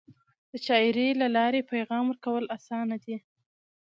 د شاعری له لارې پیغام ورکول اسانه دی.